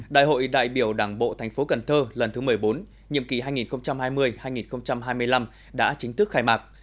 đại hội đại biểu đảng bộ thành phố cần thơ lần thứ một mươi bốn nhiệm kỳ hai nghìn hai mươi hai nghìn hai mươi năm đã chính thức khai mạc